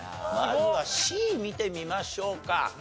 まずはＣ見てみましょうか。